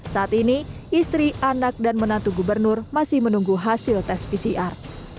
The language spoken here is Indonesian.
saat ini istri anak dan menantu gubernur masih menunggu hasil tes pcr